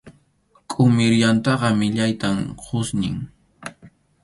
Qʼumir yamtʼaqa millaytam qʼusñin.